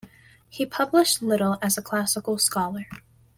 He published little as a classical scholar.